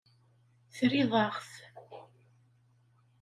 Terriḍ-aɣ-t.